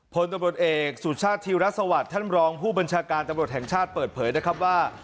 พลตำรวจเอกสุชาติธีรสวัสดิ์ท่านรองผู้บัญชาการตำรวจแห่งชาติเปิดเผยนะครับว่า